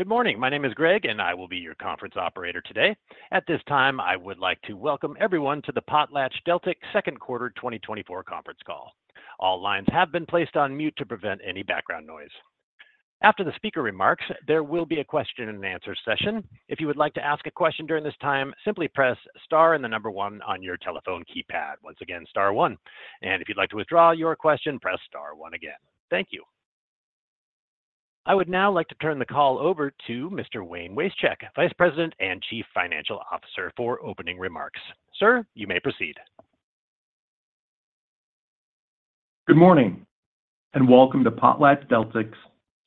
Good morning. My name is Greg, and I will be your conference operator today. At this time, I would like to welcome everyone to the PotlatchDeltic Second Quarter 2024 conference call. All lines have been placed on mute to prevent any background noise. After the speaker remarks, there will be a question-and-answer session. If you would like to ask a question during this time, simply press Star and the number one on your telephone keypad. Once again, Star one, and if you'd like to withdraw your question, press Star one again. Thank you. I would now like to turn the call over to Mr. Wayne Wasechek, Vice President and Chief Financial Officer, for opening remarks. Sir, you may proceed. Good morning, and welcome to PotlatchDeltic's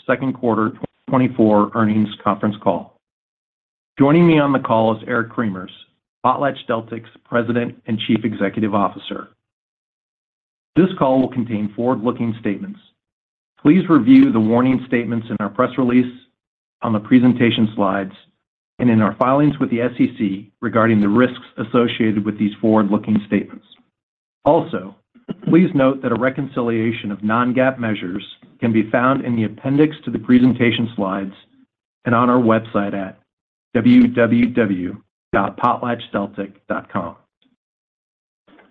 second quarter 2024 earnings conference call. Joining me on the call is Eric Cremers, PotlatchDeltic's President and Chief Executive Officer. This call will contain forward-looking statements. Please review the warning statements in our press release, on the presentation slides, and in our filings with the SEC regarding the risks associated with these forward-looking statements. Also, please note that a reconciliation of non-GAAP measures can be found in the appendix to the presentation slides and on our website at www.potlatchdeltic.com.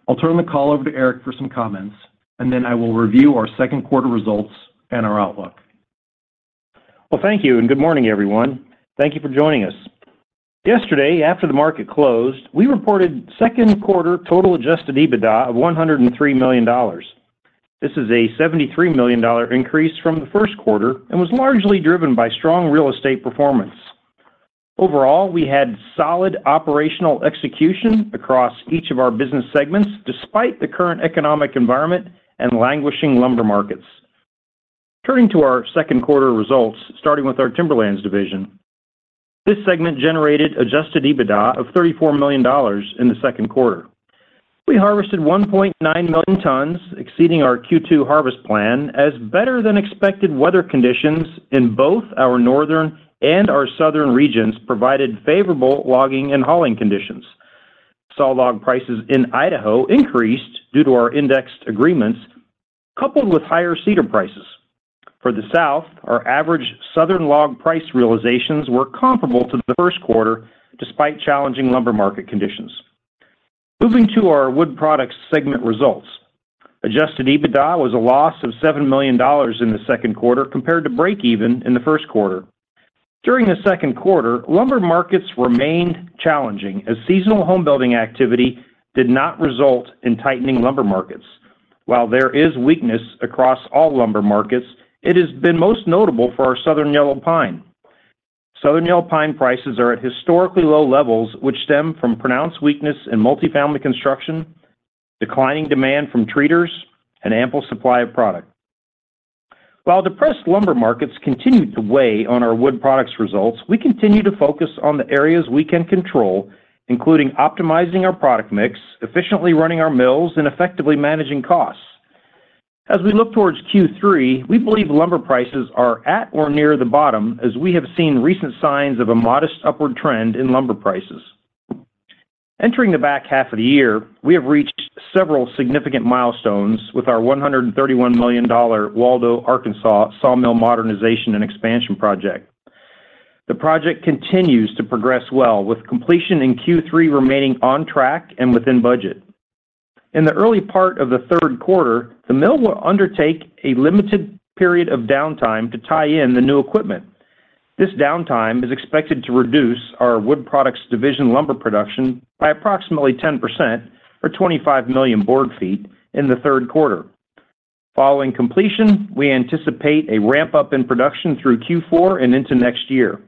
I'll turn the call over to Eric for some comments, and then I will review our second quarter results and our outlook. Well, thank you, and good morning, everyone. Thank you for joining us. Yesterday, after the market closed, we reported second quarter total Adjusted EBITDA of $103 million. This is a $73 million increase from the first quarter and was largely driven by strong real estate performance. Overall, we had solid operational execution across each of our business segments, despite the current economic environment and languishing lumber markets. Turning to our second quarter results, starting with our Timberlands division, this segment generated Adjusted EBITDA of $34 million in the second quarter. We harvested 1.9 million tons, exceeding our Q2 harvest plan, as better-than-expected weather conditions in both our northern and our southern regions provided favorable logging and hauling conditions. Sawlog prices in Idaho increased due to our indexed agreements, coupled with higher cedar prices. For the South, our average southern log price realizations were comparable to the first quarter, despite challenging lumber market conditions. Moving to our wood products segment results. Adjusted EBITDA was a loss of $7 million in the second quarter, compared to break even in the first quarter. During the second quarter, lumber markets remained challenging as seasonal home building activity did not result in tightening lumber markets. While there is weakness across all lumber markets, it has been most notable for our Southern Yellow Pine. Southern Yellow Pine prices are at historically low levels, which stem from pronounced weakness in multifamily construction, declining demand from treaters, and ample supply of product. While depressed lumber markets continued to weigh on our wood products results, we continue to focus on the areas we can control, including optimizing our product mix, efficiently running our mills, and effectively managing costs. As we look towards Q3, we believe lumber prices are at or near the bottom, as we have seen recent signs of a modest upward trend in lumber prices. Entering the back half of the year, we have reached several significant milestones with our $131 million Waldo, Arkansas, sawmill modernization and expansion project. The project continues to progress well, with completion in Q3 remaining on track and within budget. In the early part of the third quarter, the mill will undertake a limited period of downtime to tie in the new equipment. This downtime is expected to reduce our wood products division lumber production by approximately 10% or 25 million board feet in the third quarter. Following completion, we anticipate a ramp-up in production through Q4 and into next year.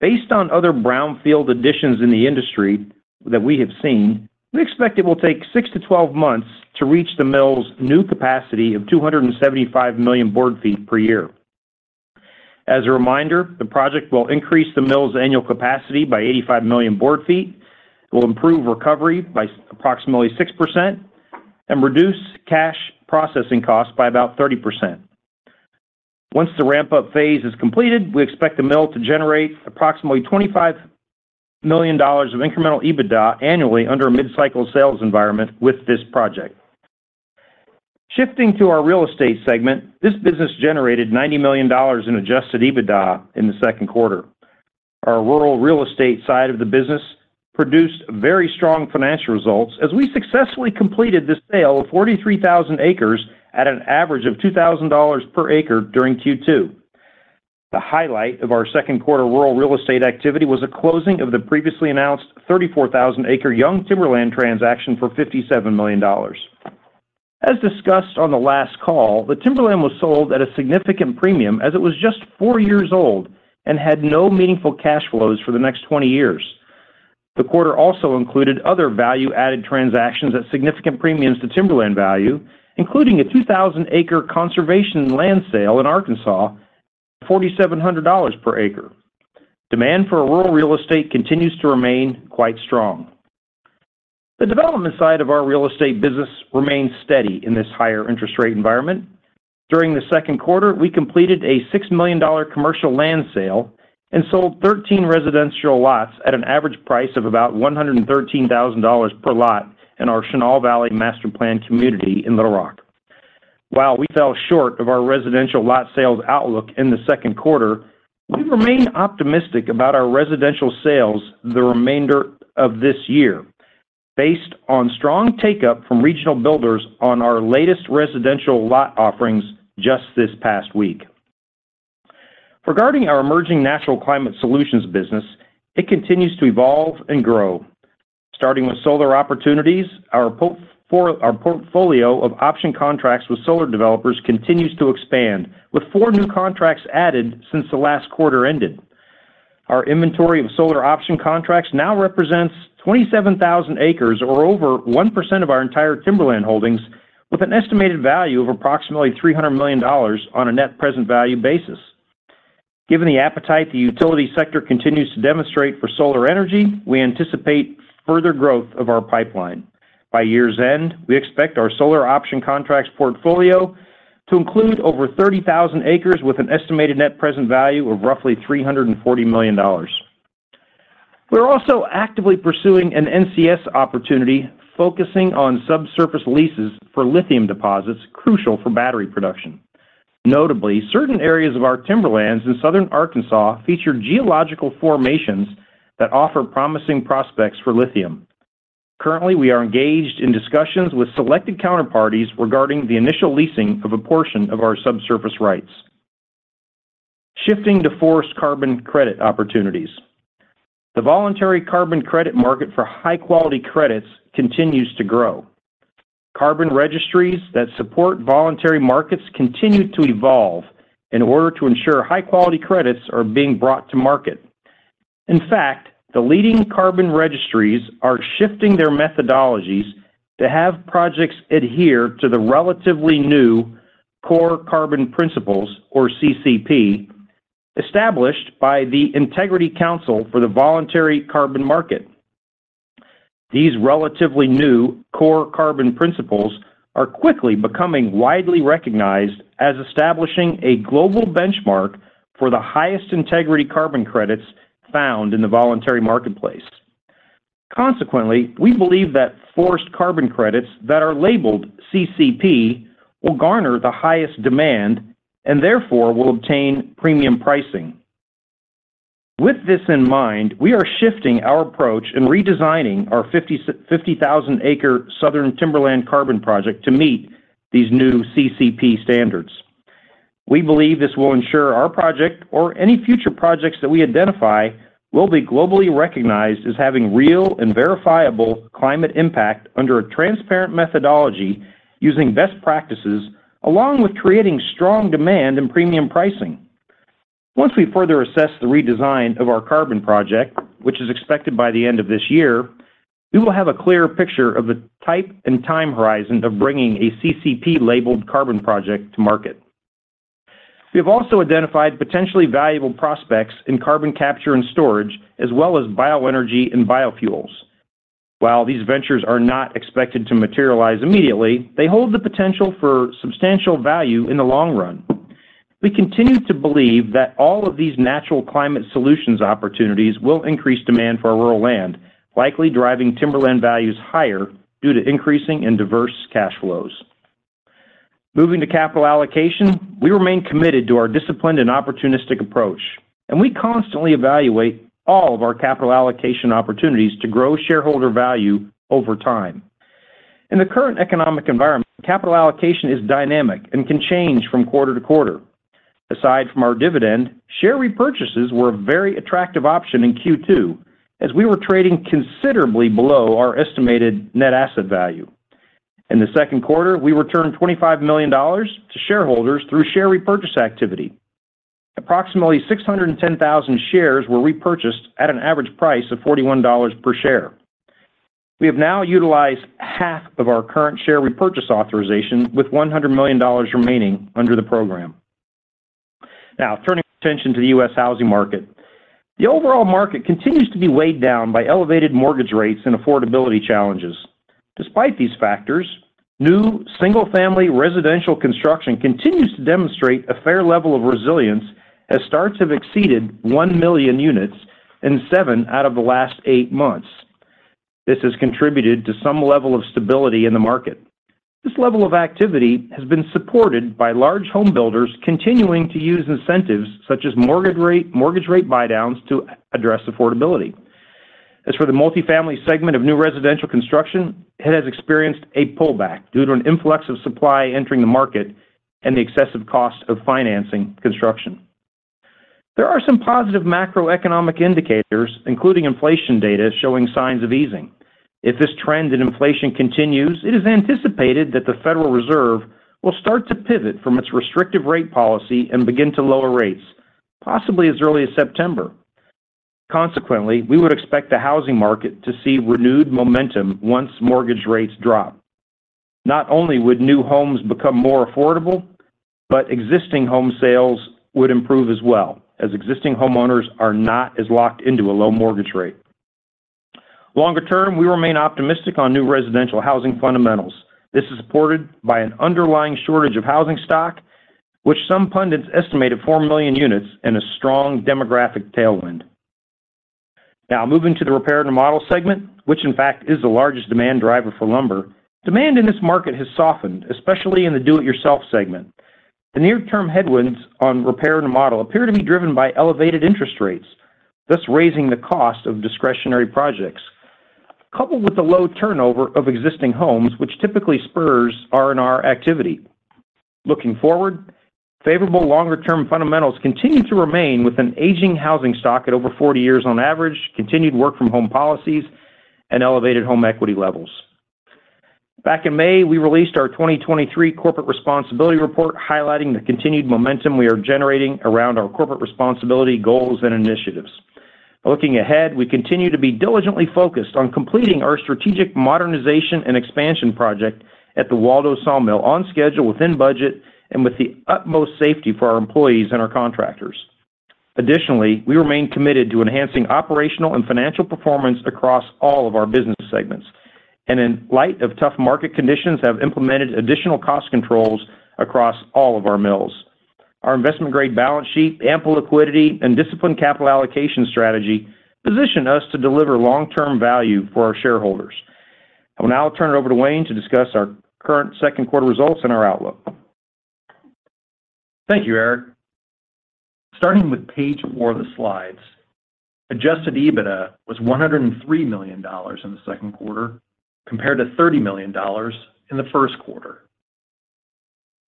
Based on other brownfield additions in the industry that we have seen, we expect it will take six to 12 months to reach the mill's new capacity of 275 million board feet per year. As a reminder, the project will increase the mill's annual capacity by 85 million board feet, will improve recovery by approximately 6%, and reduce cash processing costs by about 30%. Once the ramp-up phase is completed, we expect the mill to generate approximately $25 million of incremental EBITDA annually under a mid-cycle sales environment with this project. Shifting to our real estate segment, this business generated $90 million in adjusted EBITDA in the second quarter. Our rural real estate side of the business produced very strong financial results as we successfully completed the sale of 43,000 acres at an average of $2,000 per acre during Q2. The highlight of our second quarter rural real estate activity was the closing of the previously announced 34,000-acre young timberland transaction for $57 million. As discussed on the last call, the timberland was sold at a significant premium as it was just four years old and had no meaningful cash flows for the next 20 years. The quarter also included other value-added transactions at significant premiums to timberland value, including a 2,000-acre conservation land sale in Arkansas, $4,700 per acre. Demand for a rural real estate continues to remain quite strong. The development side of our real estate business remains steady in this higher interest rate environment. During the second quarter, we completed a $6 million commercial land sale and sold 13 residential lots at an average price of about $113,000 per lot in our Chenal Valley master-planned community in Little Rock. While we fell short of our residential lot sales outlook in the second quarter, we remain optimistic about our residential sales the remainder of this year, based on strong take-up from regional builders on our latest residential lot offerings just this past week. Regarding our emerging Natural Climate Solutions business, it continues to evolve and grow. Starting with solar opportunities, our portfolio of option contracts with solar developers continues to expand, with four new contracts added since the last quarter ended. Our inventory of solar option contracts now represents 27,000 acres, or over 1% of our entire timberland holdings, with an estimated value of approximately $300 million on a net present value basis. Given the appetite the utility sector continues to demonstrate for solar energy, we anticipate further growth of our pipeline. By year's end, we expect our solar option contracts portfolio to include over 30,000 acres with an estimated net present value of roughly $340 million. We're also actively pursuing an NCS opportunity, focusing on subsurface leases for lithium deposits crucial for battery production. Notably, certain areas of our timberlands in southern Arkansas feature geological formations that offer promising prospects for lithium. Currently, we are engaged in discussions with selected counterparties regarding the initial leasing of a portion of our subsurface rights. Shifting to forest carbon credit opportunities. The voluntary carbon credit market for high-quality credits continues to grow. Carbon registries that support voluntary markets continue to evolve in order to ensure high-quality credits are being brought to market. In fact, the leading carbon registries are shifting their methodologies to have projects adhere to the relatively new Core Carbon Principles, or CCP, established by the Integrity Council for the Voluntary Carbon Market. These relatively new Core Carbon Principles are quickly becoming widely recognized as establishing a global benchmark for the highest integrity carbon credits found in the voluntary marketplace. Consequently, we believe that forest carbon credits that are labeled CCP will garner the highest demand and therefore will obtain premium pricing. With this in mind, we are shifting our approach and redesigning our 50,000-acre southern timberland carbon project to meet these new CCP standards. We believe this will ensure our project or any future projects that we identify will be globally recognized as having real and verifiable climate impact under a transparent methodology using best practices, along with creating strong demand and premium pricing. Once we further assess the redesign of our carbon project, which is expected by the end of this year, we will have a clearer picture of the type and time horizon of bringing a CCP-labeled carbon project to market. We have also identified potentially valuable prospects in carbon capture and storage, as well as bioenergy and biofuels. While these ventures are not expected to materialize immediately, they hold the potential for substantial value in the long run. We continue to believe that all of these natural climate solutions opportunities will increase demand for our rural land, likely driving timberland values higher due to increasing and diverse cash flows. Moving to capital allocation, we remain committed to our disciplined and opportunistic approach, and we constantly evaluate all of our capital allocation opportunities to grow shareholder value over time. In the current economic environment, capital allocation is dynamic and can change from quarter to quarter. Aside from our dividend, share repurchases were a very attractive option in Q2, as we were trading considerably below our estimated net asset value. In the second quarter, we returned $25 million to shareholders through share repurchase activity. Approximately 610,000 shares were repurchased at an average price of $41 per share. We have now utilized half of our current share repurchase authorization, with $100 million remaining under the program. Now, turning our attention to the U.S. housing market. The overall market continues to be weighed down by elevated mortgage rates and affordability challenges. Despite these factors, new single-family residential construction continues to demonstrate a fair level of resilience, as starts have exceeded one million units in seven out of the last eight months. This has contributed to some level of stability in the market. This level of activity has been supported by large home builders continuing to use incentives such as mortgage rate, mortgage rate buydowns to address affordability. As for the multifamily segment of new residential construction, it has experienced a pullback due to an influx of supply entering the market and the excessive cost of financing construction. There are some positive macroeconomic indicators, including inflation data, showing signs of easing. If this trend in inflation continues, it is anticipated that the Federal Reserve will start to pivot from its restrictive rate policy and begin to lower rates, possibly as early as September. Consequently, we would expect the housing market to see renewed momentum once mortgage rates drop. Not only would new homes become more affordable, but existing home sales would improve as well, as existing homeowners are not as locked into a low mortgage rate. Longer term, we remain optimistic on new residential housing fundamentals. This is supported by an underlying shortage of housing stock, which some pundits estimate at four million units and a strong demographic tailwind.... Now moving to the repair and remodel segment, which in fact is the largest demand driver for lumber. Demand in this market has softened, especially in the do-it-yourself segment. The near-term headwinds on repair and remodel appear to be driven by elevated interest rates, thus raising the cost of discretionary projects, coupled with the low turnover of existing homes, which typically spurs R&R activity. Looking forward, favorable longer-term fundamentals continue to remain, with an aging housing stock at over 40 years on average, continued work-from-home policies, and elevated home equity levels. Back in May, we released our 2023 corporate responsibility report, highlighting the continued momentum we are generating around our corporate responsibility, goals, and initiatives. Looking ahead, we continue to be diligently focused on completing our strategic modernization and expansion project at the Waldo Sawmill on schedule, within budget, and with the utmost safety for our employees and our contractors. Additionally, we remain committed to enhancing operational and financial performance across all of our business segments, and in light of tough market conditions, have implemented additional cost controls across all of our mills. Our investment-grade balance sheet, ample liquidity, and disciplined capital allocation strategy position us to deliver long-term value for our shareholders. I will now turn it over to Wayne to discuss our current second quarter results and our outlook. Thank you, Eric. Starting with page four of the slides, adjusted EBITDA was $103 million in the second quarter, compared to $30 million in the first quarter.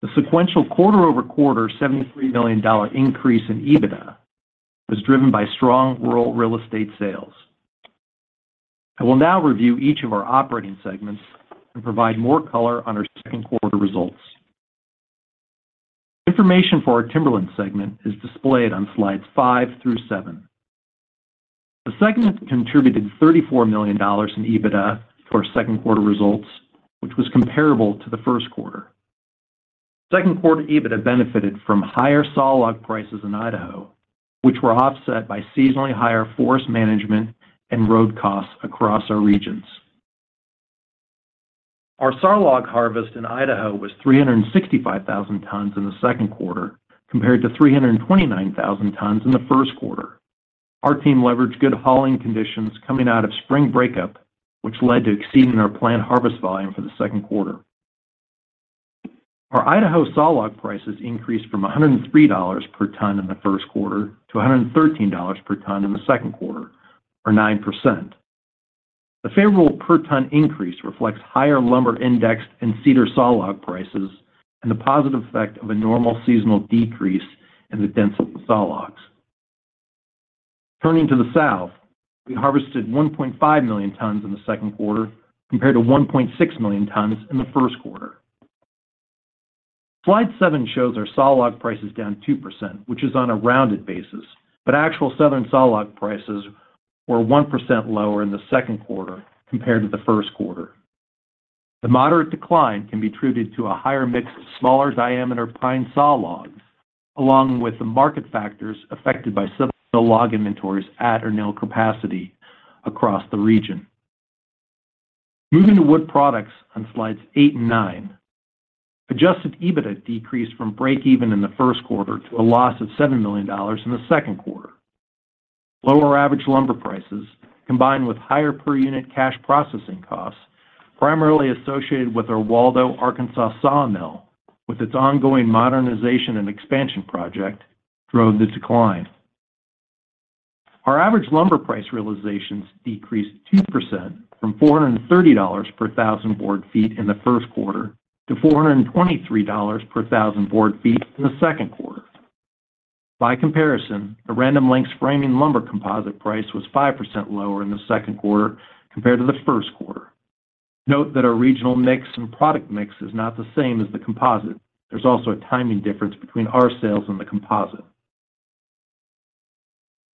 The sequential quarter-over-quarter $73 million increase in EBITDA was driven by strong rural real estate sales. I will now review each of our operating segments and provide more color on our second quarter results. Information for our Timberland segment is displayed on slides five through seven. The segment contributed $34 million in EBITDA for second quarter results, which was comparable to the first quarter. Second quarter EBITDA benefited from higher sawlog prices in Idaho, which were offset by seasonally higher forest management and road costs across our regions. Our sawlog harvest in Idaho was 365,000 tons in the second quarter, compared to 329,000 tons in the first quarter. Our team leveraged good hauling conditions coming out of spring breakup, which led to exceeding our planned harvest volume for the second quarter. Our Idaho sawlog prices increased from $103 per ton in the first quarter to $113 per ton in the second quarter, or 9%. The favorable per-ton increase reflects higher lumber index and cedar sawlog prices, and the positive effect of a normal seasonal decrease in the dense sawlogs. Turning to the South, we harvested 1.5 million tons in the second quarter, compared to 1.6 million tons in the first quarter. Slide seven shows our sawlog price is down 2%, which is on a rounded basis, but actual southern sawlog prices were 1% lower in the second quarter compared to the first quarter. The moderate decline can be attributed to a higher mix of smaller-diameter pine sawlog, along with the market factors affected by southern log inventories at or near capacity across the region. Moving to Wood Products on slides eight and nine. Adjusted EBITDA decreased from break-even in the first quarter to a loss of $7 million in the second quarter. Lower average lumber prices, combined with higher per-unit cash processing costs, primarily associated with our Waldo, Arkansas sawmill, with its ongoing modernization and expansion project, drove the decline. Our average lumber price realizations decreased 2% from $430 per thousand board feet in the first quarter to $423 per thousand board feet in the second quarter. By comparison, the Random Lengths framing lumber composite price was 5% lower in the second quarter compared to the first quarter. Note that our regional mix and product mix is not the same as the composite. There's also a timing difference between our sales and the composite.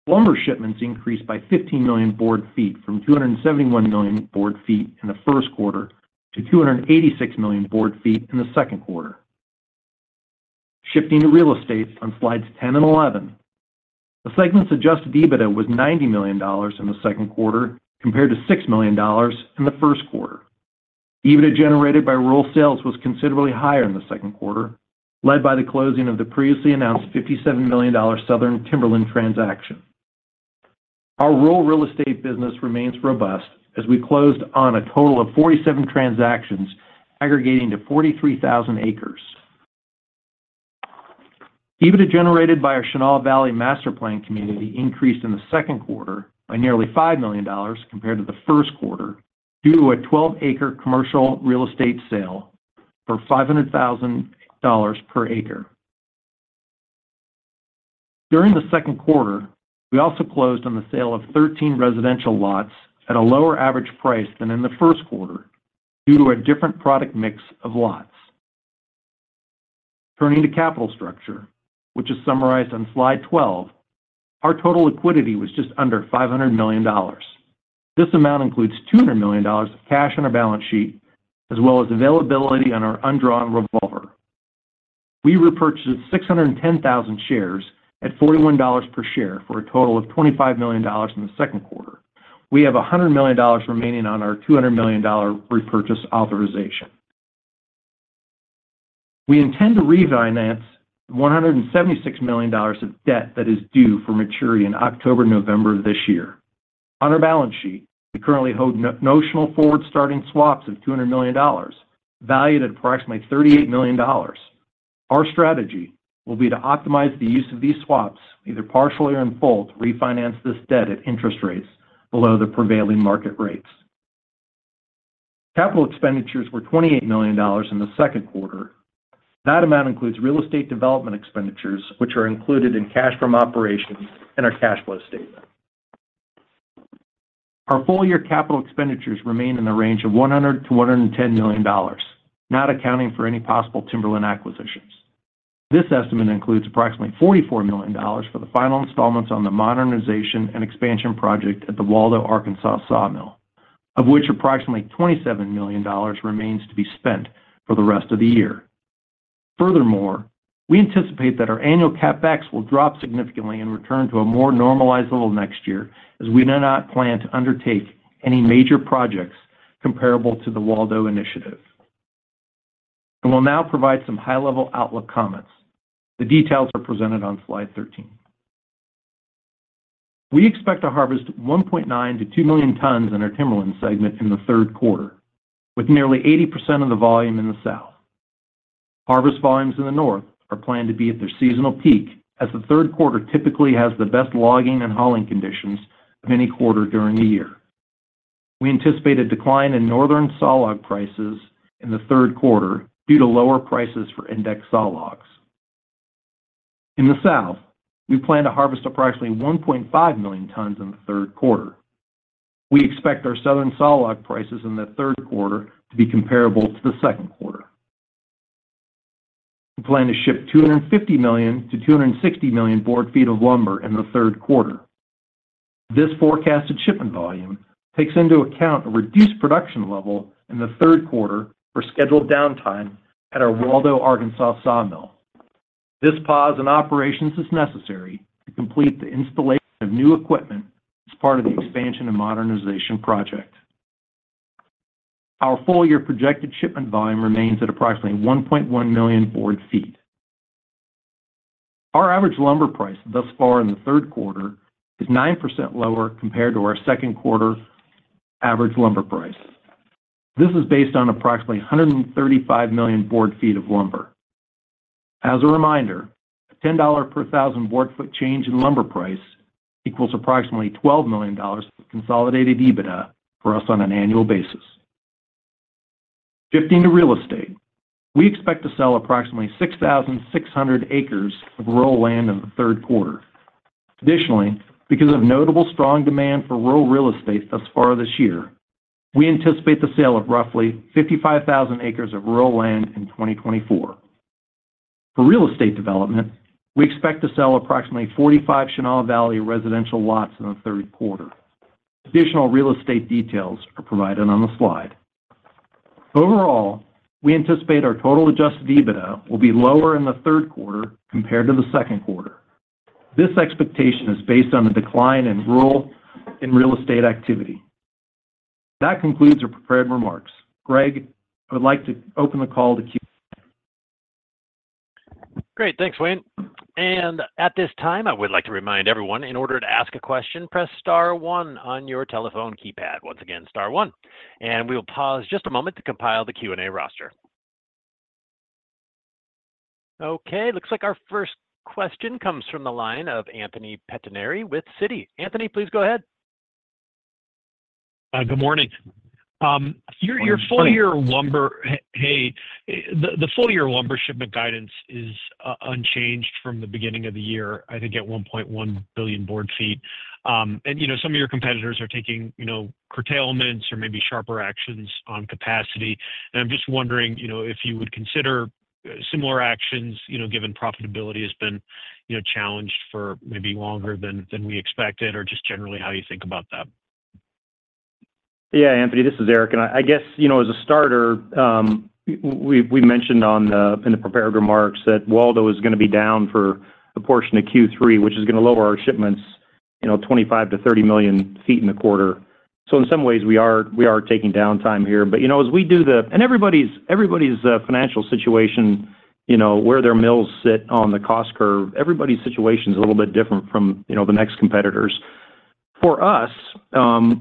Lumber shipments increased by 15 million board feet, from 271 million board feet in the first quarter to 286 million board feet in the second quarter. Shifting to Real Estate on slides 10 and 11. The segment's Adjusted EBITDA was $90 million in the second quarter, compared to $6 million in the first quarter. EBITDA generated by rural sales was considerably higher in the second quarter, led by the closing of the previously announced $57 million southern timberland transaction. Our rural real estate business remains robust as we closed on a total of 47 transactions aggregating to 43,000 acres. EBITDA generated by our Chenal Valley Master Plan community increased in the second quarter by nearly $5 million compared to the first quarter, due to a 12-acre commercial real estate sale for $500,000 per acre. During the second quarter, we also closed on the sale of 13 residential lots at a lower average price than in the first quarter due to a different product mix of lots. Turning to capital structure, which is summarized on slide 12, our total liquidity was just under $500 million. This amount includes $200 million of cash on our balance sheet, as well as availability on our undrawn revolver. We repurchased 610,000 shares at $41 per share, for a total of $25 million in the second quarter. We have $100 million remaining on our $200 million repurchase authorization. We intend to refinance $176 million of debt that is due for maturity in October, November of this year. On our balance sheet, we currently hold notional forward-starting swaps of $200 million, valued at approximately $38 million. Our strategy will be to optimize the use of these swaps, either partially or in full, to refinance this debt at interest rates below the prevailing market rates. Capital expenditures were $28 million in the second quarter. That amount includes real estate development expenditures, which are included in cash from operations in our cash flow statement. Our full-year capital expenditures remain in the range of $100-$110 million, not accounting for any possible timberland acquisitions. This estimate includes approximately $44 million for the final installments on the modernization and expansion project at the Waldo, Arkansas sawmill, of which approximately $27 million remains to be spent for the rest of the year. Furthermore, we anticipate that our annual CapEx will drop significantly and return to a more normalized level next year, as we do not plan to undertake any major projects comparable to the Waldo initiative. I will now provide some high-level outlook comments. The details are presented on slide 13. We expect to harvest 1.9 to 2 million tons in our timberland segment in the third quarter, with nearly 80% of the volume in the South. Harvest volumes in the North are planned to be at their seasonal peak, as the third quarter typically has the best logging and hauling conditions of any quarter during the year. We anticipate a decline in Northern sawlog prices in the third quarter due to lower prices for index sawlogs. In the South, we plan to harvest approximately 1.5 million tons in the third quarter. We expect our Southern sawlog prices in the third quarter to be comparable to the second quarter. We plan to ship 250 million to 260 million board feet of lumber in the third quarter. This forecasted shipment volume takes into account a reduced production level in the third quarter for scheduled downtime at our Waldo, Arkansas sawmill. This pause in operations is necessary to complete the installation of new equipment as part of the expansion and modernization project. Our full-year projected shipment volume remains at approximately 1.1 million board feet. Our average lumber price thus far in the third quarter is 9% lower compared to our second quarter average lumber price. This is based on approximately 135 million board feet of lumber. As a reminder, a $10 per thousand board foot change in lumber price equals approximately $12 million of consolidated EBITDA for us on an annual basis. Shifting to real estate, we expect to sell approximately 6,600 acres of rural land in the third quarter. Additionally, because of notable strong demand for rural real estate thus far this year, we anticipate the sale of roughly 55,000 acres of rural land in 2024. For real estate development, we expect to sell approximately 45 Chenal Valley residential lots in the third quarter. Additional real estate details are provided on the slide. Overall, we anticipate our total Adjusted EBITDA will be lower in the third quarter compared to the second quarter. This expectation is based on the decline in rural and real estate activity. That concludes our prepared remarks. Greg, I would like to open the call to Q- Great. Thanks, Wayne. And at this time, I would like to remind everyone, in order to ask a question, press star one on your telephone keypad. Once again, star one, and we will pause just a moment to compile the Q&A roster. Okay, looks like our first question comes from the line of Anthony Pettinari with Citi. Anthony, please go ahead. Good morning. Good morning, Anthony. Your full-year lumber shipment guidance is unchanged from the beginning of the year, I think at 1.1 billion board feet. And, you know, some of your competitors are taking, you know, curtailments or maybe sharper actions on capacity, and I'm just wondering, you know, if you would consider similar actions, you know, given profitability has been, you know, challenged for maybe longer than we expected, or just generally how you think about that? Yeah, Anthony, this is Eric, and I guess, you know, as a starter, we mentioned in the prepared remarks that Waldo is gonna be down for a portion of Q3, which is gonna lower our shipments, you know, 25 to 30 million feet in the quarter. So in some ways, we are taking downtime here. But, you know, everybody's financial situation, you know, where their mills sit on the cost curve, everybody's situation is a little bit different from, you know, the next competitors. For us,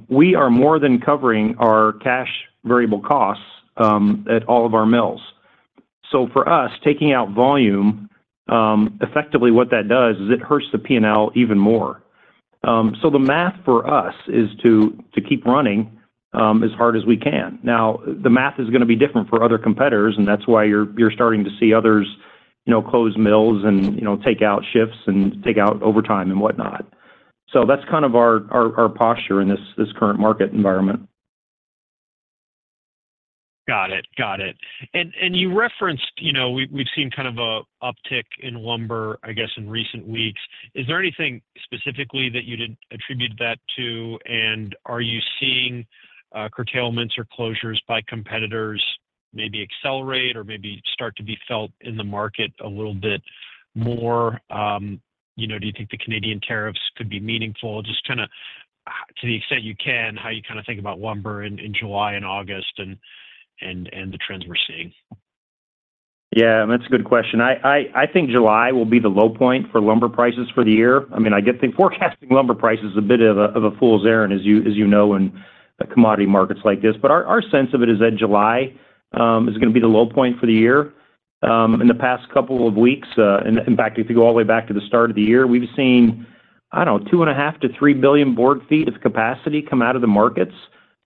we are more than covering our cash variable costs at all of our mills. So for us, taking out volume, effectively what that does is it hurts the P&L even more. So the math for us is to keep running as hard as we can. Now, the math is gonna be different for other competitors, and that's why you're starting to see others, you know, close mills and, you know, take out shifts and take out overtime and whatnot. So that's kind of our posture in this current market environment. Got it. Got it. And, and you referenced, you know, we, we've seen kind of a uptick in lumber, I guess, in recent weeks. Is there anything specifically that you'd attribute that to? And are you seeing, curtailments or closures by competitors maybe accelerate or maybe start to be felt in the market a little bit more? You know, do you think the Canadian tariffs could be meaningful? Just trying to-... to the extent you can, how you kind of think about lumber in July and August, and the trends we're seeing? Yeah, that's a good question. I think July will be the low point for lumber prices for the year. I mean, I think forecasting lumber price is a bit of a fool's errand, as you, as you know, in the commodity markets like this. But our sense of it is that July is gonna be the low point for the year. In the past couple of weeks and in fact, if you go all the way back to the start of the year, we've seen, I don't know, 2.5 to 3 billion board feet of capacity come out of the markets.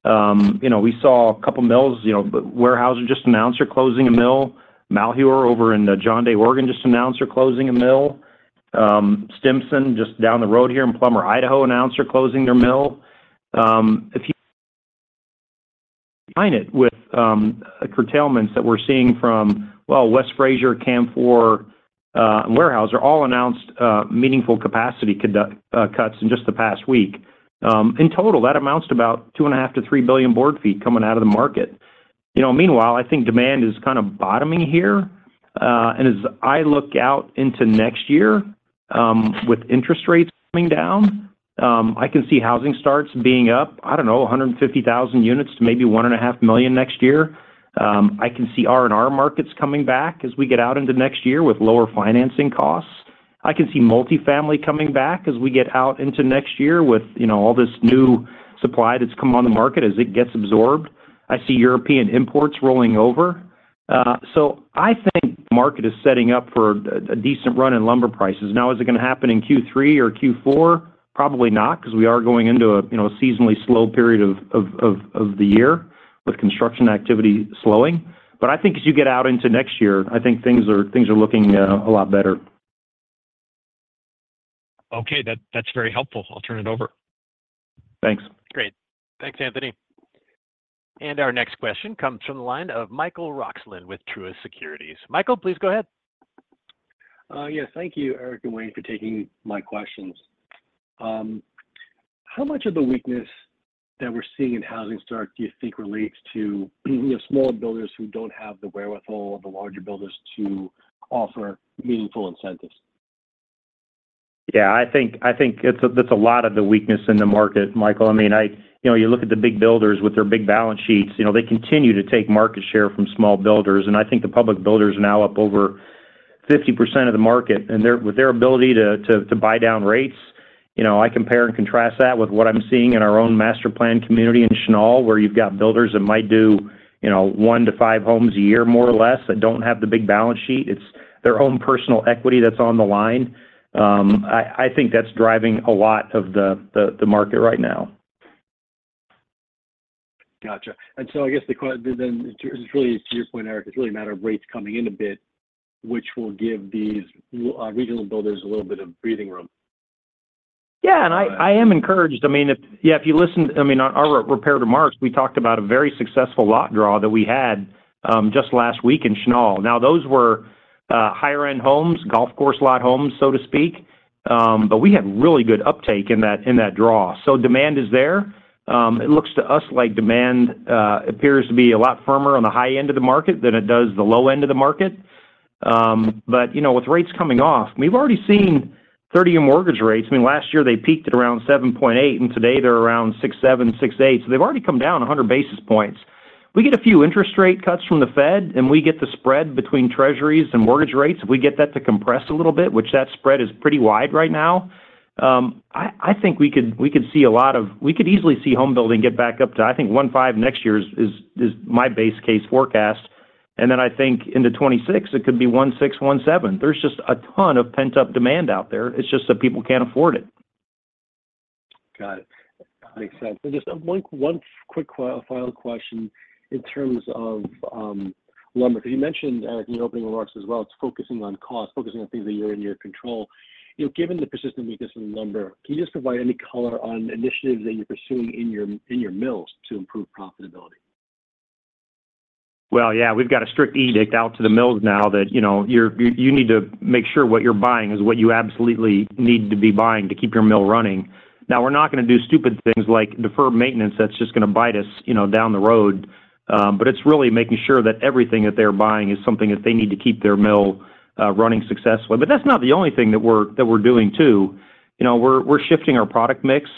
You know, we saw a couple mills, you know, but Weyerhaeuser just announced they're closing a mill. Malheur over in John Day, Oregon, just announced they're closing a mill. Stimson, just down the road here in Plummer, Idaho, announced they're closing their mill. If you combine it with, curtailments that we're seeing from, well, West Fraser, Canfor, Weyerhaeuser, all announced, meaningful capacity cuts in just the past week. In total, that amounts to about 2.5 to 3 billion board feet coming out of the market. You know, meanwhile, I think demand is kind of bottoming here. And as I look out into next year, with interest rates coming down, I can see housing starts being up, I don't know, 150,000 units to maybe 1.5 million next year. I can see R&R markets coming back as we get out into next year with lower financing costs. I can see multifamily coming back as we get out into next year with, you know, all this new supply that's come on the market as it gets absorbed. I see European imports rolling over. So I think the market is setting up for a decent run in lumber prices. Now, is it gonna happen in Q3 or Q4? Probably not, 'cause we are going into a, you know, seasonally slow period of the year, with construction activity slowing. But I think as you get out into next year, I think things are looking a lot better. Okay, that's very helpful. I'll turn it over. Thanks. Great. Thanks, Anthony. And our next question comes from the line of Michael Roxland with Truist Securities. Michael, please go ahead. Yes. Thank you, Eric and Wayne, for taking my questions. How much of the weakness that we're seeing in housing start do you think relates to, you know, small builders who don't have the wherewithal of the larger builders to offer meaningful incentives? Yeah, I think it's—that's a lot of the weakness in the market, Michael. I mean. You know, you look at the big builders with their big balance sheets, you know, they continue to take market share from small builders, and I think the public builders are now up over 50% of the market, and their with their ability to buy down rates. You know, I compare and contrast that with what I'm seeing in our own master planned community in Chenal, where you've got builders that might do, you know, one to five homes a year, more or less, that don't have the big balance sheet. It's their own personal equity that's on the line. I think that's driving a lot of the market right now. Gotcha. And so I guess, then, it's really to your point, Eric, it's really a matter of rates coming in a bit, which will give these regional builders a little bit of breathing room. Yeah, and I am encouraged. I mean, if you listen to—I mean, on our prepared remarks, we talked about a very successful lot draw that we had just last week in Chenal. Now, those were higher-end homes, golf course lot homes, so to speak, but we had really good uptake in that draw. So demand is there. It looks to us like demand appears to be a lot firmer on the high end of the market than it does the low end of the market. But, you know, with rates coming off, we've already seen 30-year mortgage rates. I mean, last year they peaked at around 7.8, and today they're around 6.7, 6.8, so they've already come down 100 basis points. We get a few interest rate cuts from the Fed, and we get the spread between treasuries and mortgage rates, if we get that to compress a little bit, which that spread is pretty wide right now. I think we could see we could easily see home building get back up to, I think, 1.5 next year is my base case forecast, and then I think into 2026, it could be 1.6-1.7. There's just a ton of pent-up demand out there. It's just that people can't afford it. Got it. Makes sense. And just one quick final question in terms of lumber, because you mentioned, Eric, in the opening remarks as well, it's focusing on cost, focusing on things that are in your control. You know, given the persistent weakness in lumber, can you just provide any color on initiatives that you're pursuing in your mills to improve profitability? Well, yeah, we've got a strict edict out to the mills now that, you know, you need to make sure what you're buying is what you absolutely need to be buying to keep your mill running. Now, we're not gonna do stupid things like defer maintenance that's just gonna bite us, you know, down the road, but it's really making sure that everything that they're buying is something that they need to keep their mill running successfully. But that's not the only thing that we're doing, too. You know, we're shifting our product mix.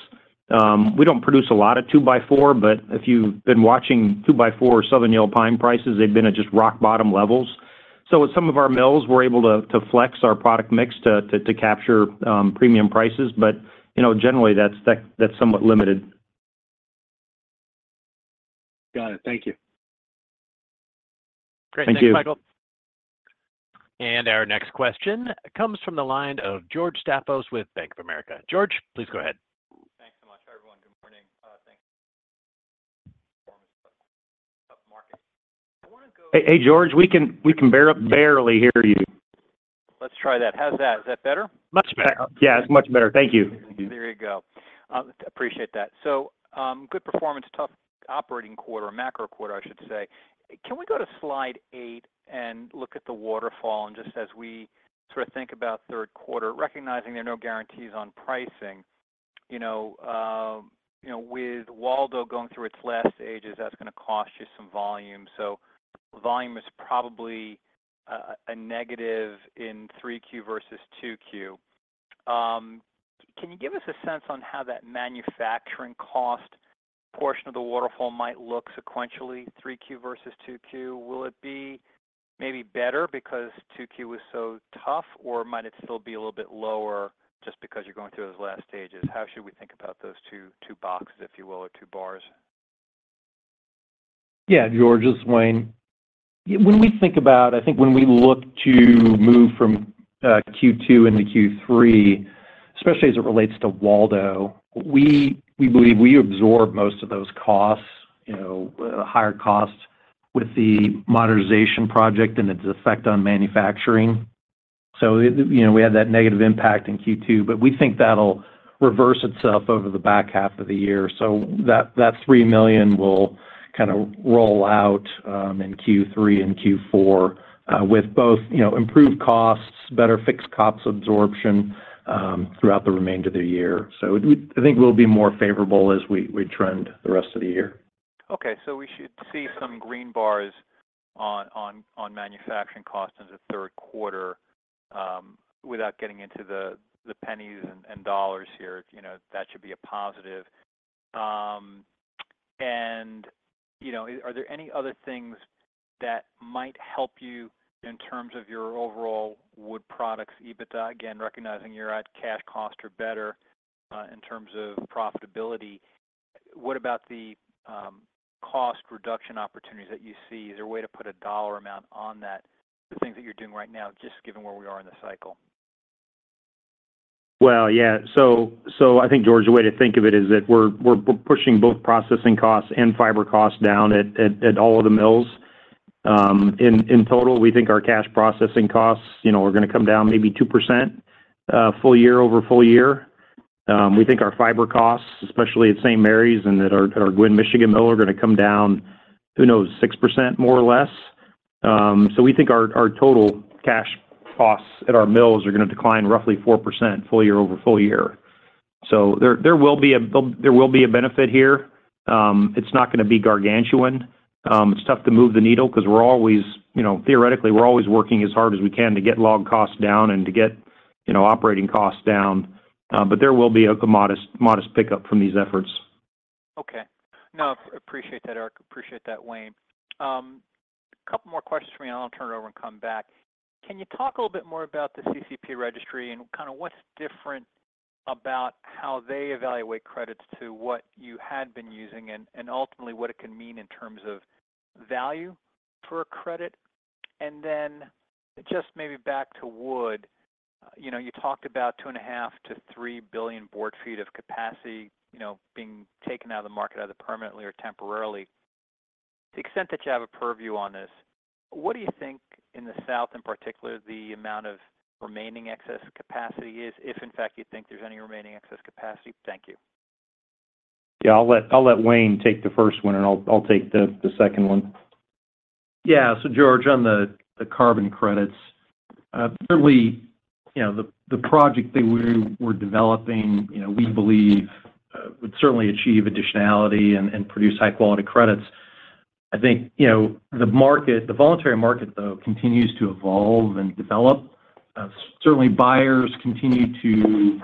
We don't produce a lot of two by four, but if you've been watching two by four Southern Yellow Pine prices, they've been at just rock bottom levels. So with some of our mills, we're able to flex our product mix to capture premium prices. But, you know, generally, that's somewhat limited. Got it. Thank you. Great. Thank you. Thanks, Michael. Our next question comes from the line of George Staphos with Bank of America. George, please go ahead. Thanks so much, everyone. Good morning. Thanks... Hey, George, we can barely hear you. Let's try that. How's that? Is that better? Much better. Yeah, it's much better. Thank you. There you go. Appreciate that. So, good performance, tough operating quarter, macro quarter, I should say. Can we go to slide eight and look at the waterfall? And just as we sort of think about third quarter, recognizing there are no guarantees on pricing, you know, with Waldo going through its last stages, that's gonna cost you some volume. So volume is probably a negative in 3Q versus 2Q. Can you give us a sense on how that manufacturing cost portion of the waterfall might look sequentially, 3Q versus 2Q? Will it be maybe better because 2Q was so tough, or might it still be a little bit lower just because you're going through those last stages? How should we think about those two, two boxes, if you will, or two bars? Yeah, George, this is Wayne. When we think about—I think when we look to move from Q2 into Q3, especially as it relates to Waldo, we believe we absorb most of those costs, you know, higher costs with the modernization project and its effect on manufacturing. So, you know, we had that negative impact in Q2, but we think that'll reverse itself over the back half of the year. So that $3 million will kinda roll out in Q3 and Q4 with both, you know, improved costs, better fixed costs absorption throughout the remainder of the year. So we—I think we'll be more favorable as we trend the rest of the year. Okay, so we should see some green bars on manufacturing costs in the third quarter, without getting into the pennies and dollars here, you know, that should be a positive. And, you know, are there any other things that might help you in terms of your overall wood products EBITDA, again, recognizing you're at cash cost or better, in terms of profitability? What about the cost reduction opportunities that you see? Is there a way to put a dollar amount on that, the things that you're doing right now, just given where we are in the cycle? Well, yeah. So I think, George, the way to think of it is that we're pushing both processing costs and fiber costs down at all of the mills. In total, we think our cash processing costs, you know, are gonna come down maybe 2%, full-year over full-year. We think our fiber costs, especially at St. Maries and at our Gwinn, Michigan mill, are gonna come down, who knows, 6%, more or less. So we think our total cash costs at our mills are gonna decline roughly 4% full-year over full-year. So there will be a benefit here. It's not gonna be gargantuan. It's tough to move the needle 'cause we're always, you know, theoretically, we're always working as hard as we can to get log costs down and to get, you know, operating costs down, but there will be a modest, modest pickup from these efforts. Okay. No, appreciate that, Eric. Appreciate that, Wayne. A couple more questions for me, and I'll turn it over and come back. Can you talk a little bit more about the CCP registry and kinda what's different about how they evaluate credits to what you had been using and, and ultimately what it can mean in terms of value for a credit? And then just maybe back to wood, you know, you talked about 2.5 to 3 billion board feet of capacity, you know, being taken out of the market, either permanently or temporarily. To the extent that you have a purview on this, what do you think, in the South in particular, the amount of remaining excess capacity is, if in fact, you think there's any remaining excess capacity? Thank you. Yeah, I'll let Wayne take the first one, and I'll take the second one. Yeah, so George, on the carbon credits, certainly, you know, the project that we were developing, you know, we believe would certainly achieve additionality and produce high-quality credits. I think, you know, the market—the voluntary market, though, continues to evolve and develop. Certainly, buyers continue to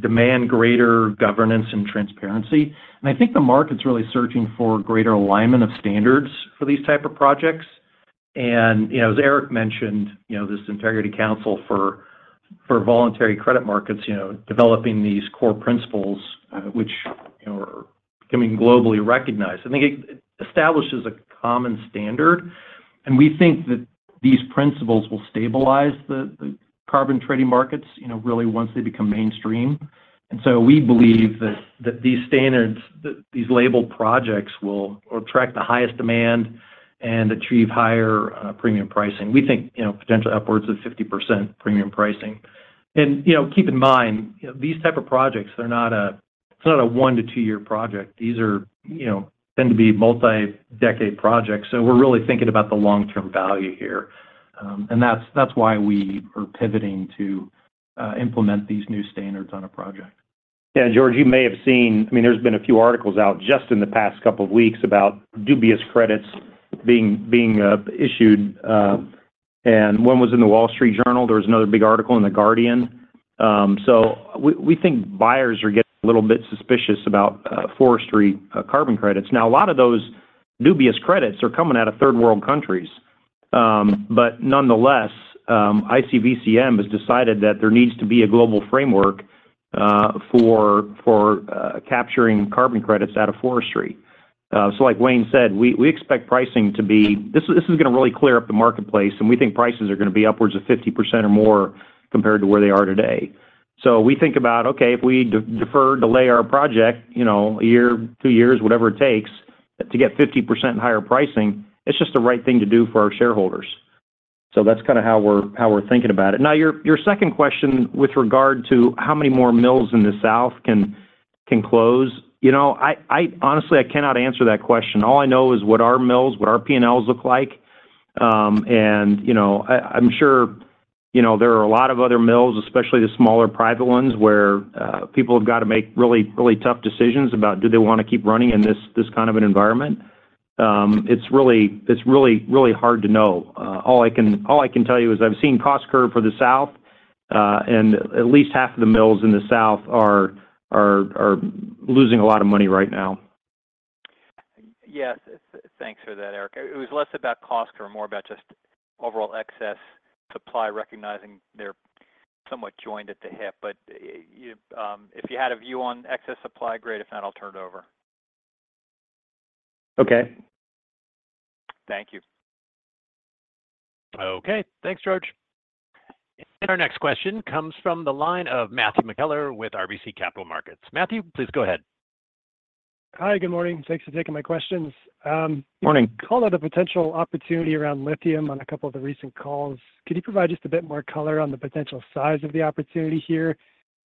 demand greater governance and transparency, and I think the market's really searching for greater alignment of standards for these type of projects. And, you know, as Eric mentioned, you know, this Integrity Council for the Voluntary Carbon Market, you know, developing these Core Carbon Principles, which, you know, are becoming globally recognized. I think it establishes a common standard, and we think that these principles will stabilize the carbon trading markets, you know, really once they become mainstream. And so we believe that, that these standards, that these labeled projects will attract the highest demand and achieve higher premium pricing. We think, you know, potentially upwards of 50% premium pricing. And, you know, keep in mind, these type of projects are not a-- it's not a one- to two-year project. These are, you know, tend to be multi-decade projects, so we're really thinking about the long-term value here. And that's, that's why we are pivoting to implement these new standards on a project. Yeah, George, you may have seen... I mean, there's been a few articles out just in the past couple of weeks about dubious credits being issued, and one was in The Wall Street Journal. There was another big article in The Guardian. So we think buyers are getting a little bit suspicious about forestry carbon credits. Now, a lot of those dubious credits are coming out of third-world countries. But nonetheless, ICVCM has decided that there needs to be a global framework for capturing carbon credits out of forestry. So like Wayne said, we expect pricing to be. This is gonna really clear up the marketplace, and we think prices are gonna be upwards of 50% or more compared to where they are today. So we think about, okay, if we defer, delay our project, you know, a year, two years, whatever it takes, to get 50% higher pricing, it's just the right thing to do for our shareholders. So that's kinda how we're thinking about it. Now, your second question with regard to how many more mills in the South can close, you know, I honestly cannot answer that question. All I know is what our mills, what our P&Ls look like. And, you know, I'm sure, you know, there are a lot of other mills, especially the smaller private ones, where people have got to make really, really tough decisions about do they wanna keep running in this kind of an environment. It's really, really hard to know. All I can tell you is I've seen cost curve for the South, and at least half of the mills in the South are losing a lot of money right now. Yes. Thanks for that, Eric. It was less about cost curve, more about just overall excess supply, recognizing they're somewhat joined at the hip. But, if you had a view on excess supply, great. If not, I'll turn it over. Okay. Thank you. Okay. Thanks, George. Our next question comes from the line of Matthew McKellar with RBC Capital Markets. Matthew, please go ahead. Hi, good morning. Thanks for taking my questions. Morning. You called out a potential opportunity around lithium on a couple of the recent calls. Could you provide just a bit more color on the potential size of the opportunity here,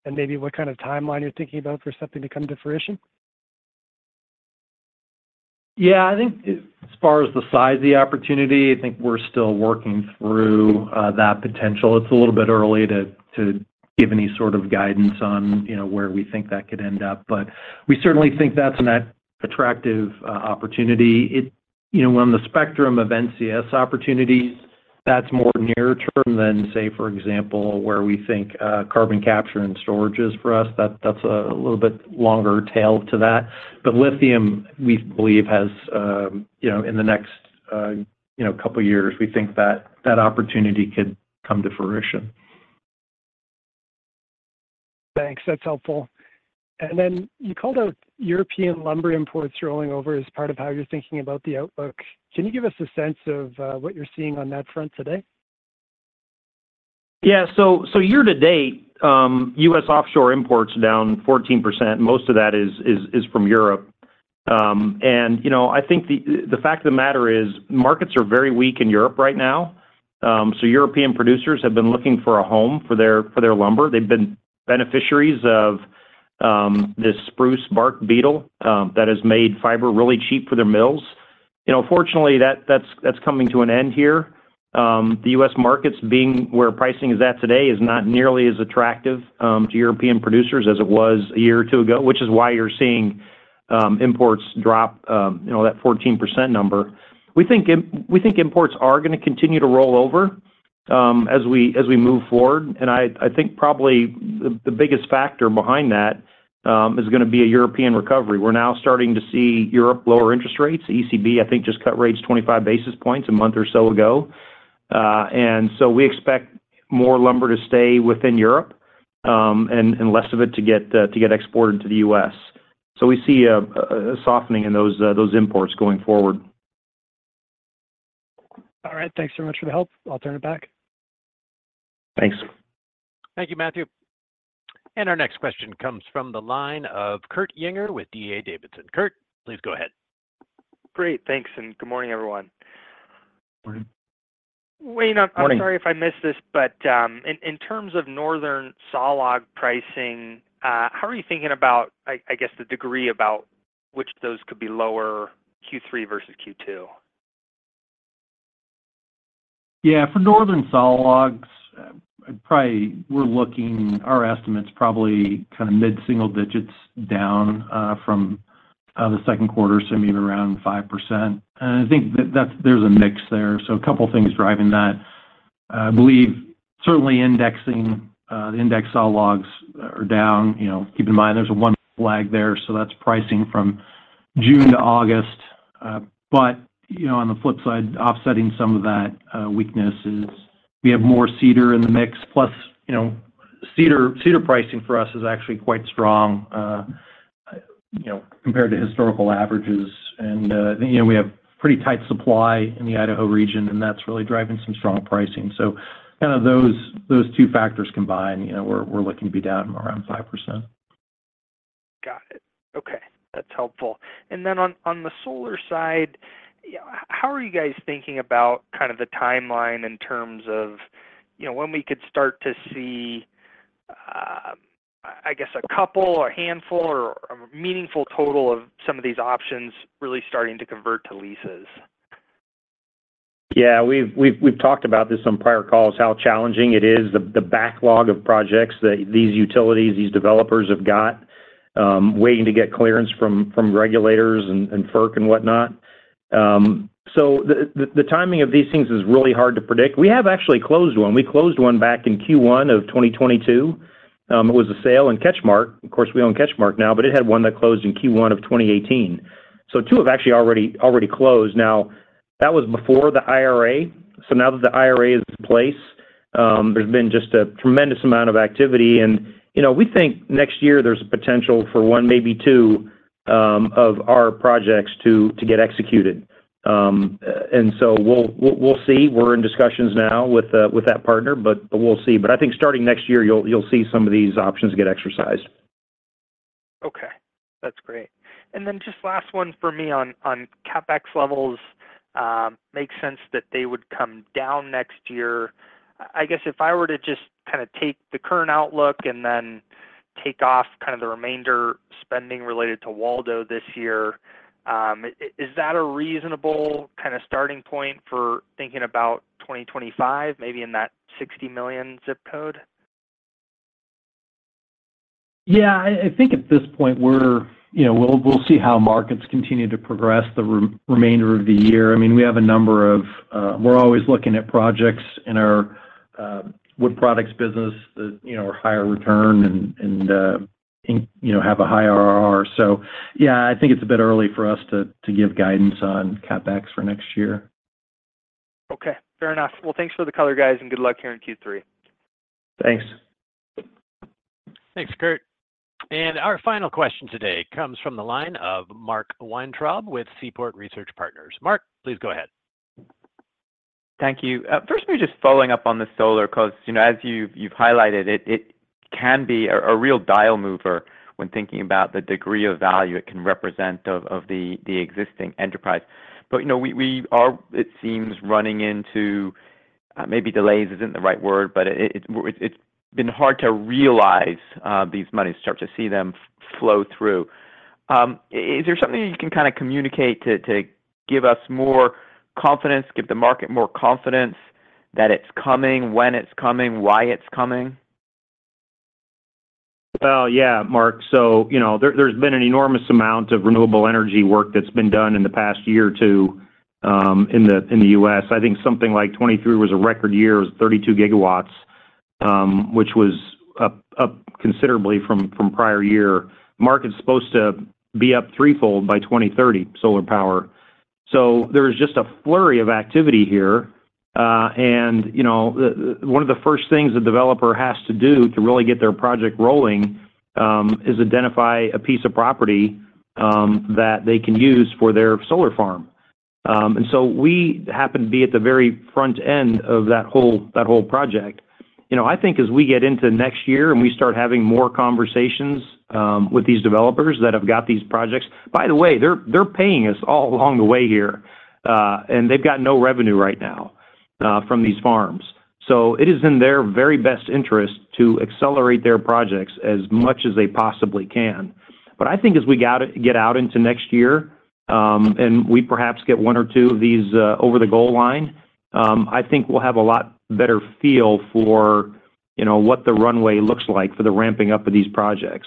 and maybe what kind of timeline you're thinking about for something to come to fruition? Yeah, I think as far as the size of the opportunity, I think we're still working through that potential. It's a little bit early to give any sort of guidance on, you know, where we think that could end up, but we certainly think that's an attractive opportunity. You know, on the spectrum of NCS opportunities, that's more near term than, say, for example, where we think carbon capture and storage is for us. That's a little bit longer tail to that. But lithium, we believe, has, you know, in the next, you know, couple of years, we think that that opportunity could come to fruition. Thanks. That's helpful. And then you called out European lumber imports rolling over as part of how you're thinking about the outlook. Can you give us a sense of what you're seeing on that front today? Yeah. So year to date, U.S. offshore imports down 14%. Most of that is from Europe. And, you know, I think the fact of the matter is, markets are very weak in Europe right now. So European producers have been looking for a home for their lumber. They've been beneficiaries of this spruce bark beetle that has made fiber really cheap for their mills. You know, fortunately, that's coming to an end here. The U.S. markets, being where pricing is at today, is not nearly as attractive to European producers as it was a year or two ago, which is why you're seeing imports drop, you know, that 14% number. We think imports are gonna continue to roll over, as we move forward, and I think probably the biggest factor behind that is gonna be a European recovery. We're now starting to see Europe lower interest rates. ECB, I think, just cut rates 25 basis points a month or so ago. And so we expect more lumber to stay within Europe, and less of it to get exported to the U.S. So we see a softening in those imports going forward. All right. Thanks so much for the help. I'll turn it back. Thanks. Thank you, Matthew. And our next question comes from the line of Kurt Yinger with D.A. Davidson. Kurt, please go ahead. Great. Thanks, and good morning, everyone. Morning. Wayne- Morning. I'm sorry if I missed this, but in terms of northern sawlog pricing, how are you thinking about, I guess, the degree about which those could be lower Q3 versus Q2? Yeah. For northern sawlogs, probably we're looking... Our estimate's probably kinda mid-single digits down from the second quarter, so maybe around 5%. And I think that there's a mix there, so a couple of things driving that. I believe certainly indexing the index sawlogs are down. You know, keep in mind, there's a one lag there, so that's pricing from June to August. But, you know, on the flip side, offsetting some of that weakness is we have more cedar in the mix, plus, you know, cedar pricing for us is actually quite strong, you know, compared to historical averages. And, you know, we have pretty tight supply in the Idaho region, and that's really driving some strong pricing. So kinda those two factors combined, you know, we're looking to be down around 5%. Got it. Okay, that's helpful. And then on the solar side, how are you guys thinking about kind of the timeline in terms of, you know, when we could start to see, I guess, a couple or handful or a meaningful total of some of these options really starting to convert to leases? Yeah, we've talked about this on prior calls, how challenging it is, the backlog of projects that these utilities, these developers have got, waiting to get clearance from regulators and FERC and whatnot. So the timing of these things is really hard to predict. We have actually closed one. We closed one back in Q1 of 2022. It was a sale in CatchMark. Of course, we own CatchMark now, but it had one that closed in Q1 of 2018. So two have actually already closed. Now, that was before the IRA, so now that the IRA is in place, there's been just a tremendous amount of activity. And, you know, we think next year there's a potential for one, maybe two, of our projects to get executed. And so we'll see. We're in discussions now with that partner, but we'll see. But I think starting next year, you'll see some of these options get exercised. Okay. That's great. And then just last one for me on CapEx levels, makes sense that they would come down next year. I guess if I were to just kinda take the current outlook and then take off kind of the remainder spending related to Waldo this year. Is that a reasonable kind of starting point for thinking about 2025, maybe in that $60 million zip code? Yeah, I think at this point, we're, you know, we'll see how markets continue to progress the remainder of the year. I mean, we have a number of, we're always looking at projects in our wood products business that, you know, are higher return and, you know, have a high IRR. So yeah, I think it's a bit early for us to give guidance on CapEx for next year. Okay, fair enough. Well, thanks for the color, guys, and good luck here in Q3. Thanks. Thanks, Kurt. Our final question today comes from the line of Mark Weintraub with Seaport Research Partners. Mark, please go ahead. Thank you. First, maybe just following up on the solar, 'cause, you know, as you've highlighted it, it can be a real dial mover when thinking about the degree of value it can represent of the existing enterprise. But, you know, we are, it seems, running into, maybe delays isn't the right word, but it, it's been hard to realize these monies, start to see them flow through. Is there something you can kinda communicate to give us more confidence, give the market more confidence that it's coming, when it's coming, why it's coming? Well, yeah, Mark. So, you know, there, there's been an enormous amount of renewable energy work that's been done in the past year or two, in the U.S. I think something like 2023 was a record year. It was 32 GW, which was up considerably from prior year. Market's supposed to be up threefold by 2030, solar power. So there is just a flurry of activity here. And, you know, one of the first things the developer has to do to really get their project rolling is identify a piece of property that they can use for their solar farm. And so we happen to be at the very front end of that whole project. You know, I think as we get into next year and we start having more conversations with these developers that have got these projects. By the way, they're paying us all along the way here, and they've got no revenue right now from these farms. So it is in their very best interest to accelerate their projects as much as they possibly can. But I think as we get out into next year, and we perhaps get one or two of these over the goal line, I think we'll have a lot better feel for, you know, what the runway looks like for the ramping up of these projects.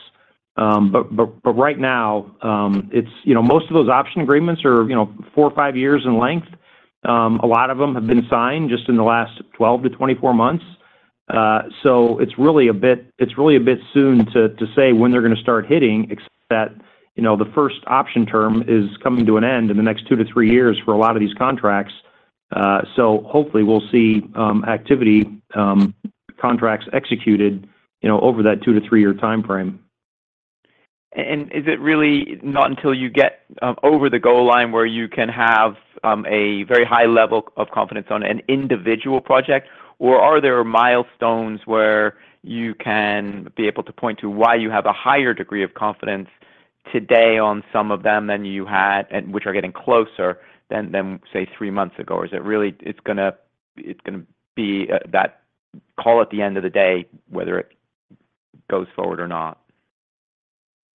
But right now, it's, you know, most of those option agreements are, you know, four or five years in length. A lot of them have been signed just in the last 12 to 24 months. So it's really a bit soon to say when they're gonna start hitting, except that, you know, the first option term is coming to an end in the next two-to-three years for a lot of these contracts. So hopefully, we'll see activity, contracts executed, you know, over that two-to-three-year timeframe. Is it really not until you get over the goal line, where you can have a very high level of confidence on an individual project? Or are there milestones where you can be able to point to why you have a higher degree of confidence today on some of them than you had, and which are getting closer than say three months ago? Or is it really, it's gonna, it's gonna be that call at the end of the day, whether it goes forward or not?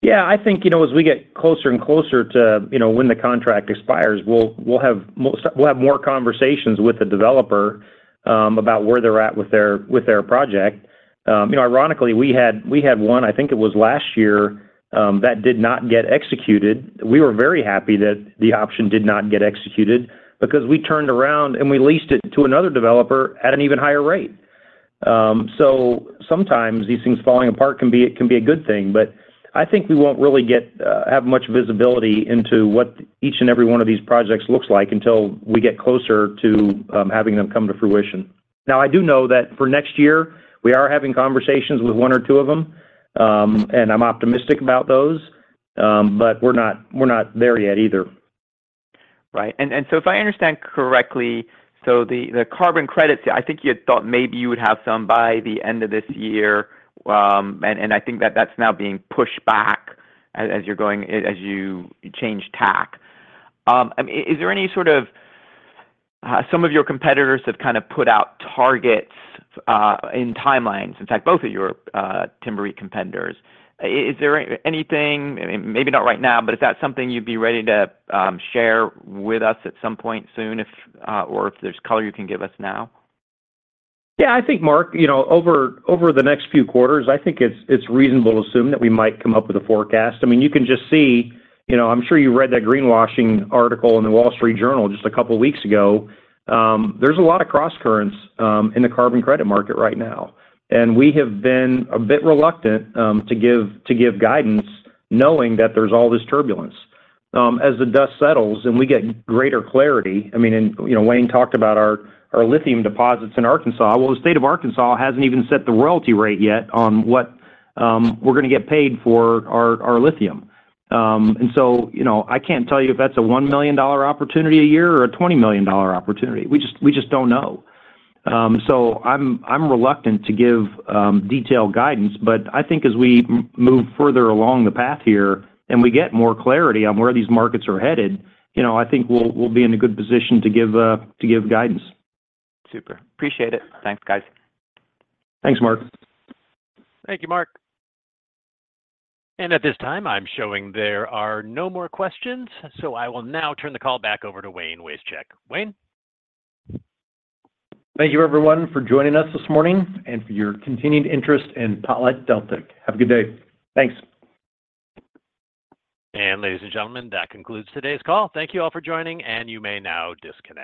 Yeah, I think, you know, as we get closer and closer to, you know, when the contract expires, we'll have more conversations with the developer about where they're at with their project. You know, ironically, we had one, I think it was last year, that did not get executed. We were very happy that the option did not get executed because we turned around and we leased it to another developer at an even higher rate. So sometimes these things falling apart can be a good thing. But I think we won't really have much visibility into what each and every one of these projects looks like until we get closer to having them come to fruition. Now, I do know that for next year, we are having conversations with one or two of them, and I'm optimistic about those. But we're not, we're not there yet either. Right. And so if I understand correctly, so the carbon credits, I think you had thought maybe you would have some by the end of this year, and I think that that's now being pushed back as you're going, as you change tack. I mean, is there any sort of... Some of your competitors have kinda put out targets in timelines, in fact, both of your timber competitors. Is there anything, maybe not right now, but is that something you'd be ready to share with us at some point soon if, or if there's color you can give us now? Yeah, I think, Mark, you know, over the next few quarters, I think it's reasonable to assume that we might come up with a forecast. I mean, you can just see, you know, I'm sure you read that greenwashing article in The Wall Street Journal just a couple weeks ago. There's a lot of crosscurrents in the carbon credit market right now, and we have been a bit reluctant to give guidance, knowing that there's all this turbulence. As the dust settles and we get greater clarity, I mean, and, you know, Wayne talked about our lithium deposits in Arkansas. Well, the state of Arkansas hasn't even set the royalty rate yet on what we're gonna get paid for our lithium. And so, you know, I can't tell you if that's a $1 million opportunity a year or a $20 million opportunity. We just, we just don't know. So I'm reluctant to give detailed guidance, but I think as we move further along the path here and we get more clarity on where these markets are headed, you know, I think we'll be in a good position to give to give guidance. Super. Appreciate it. Thanks, guys. Thanks, Mark. Thank you, Mark. At this time, I'm showing there are no more questions, so I will now turn the call back over to Wayne Wasechek. Wayne? Thank you, everyone, for joining us this morning and for your continued interest in PotlatchDeltic. Have a good day. Thanks. Ladies and gentlemen, that concludes today's call. Thank you all for joining, and you may now disconnect.